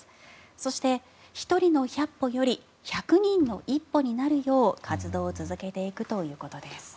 そして、１人の１００歩より１００人の１歩になるよう活動を続けていくということです。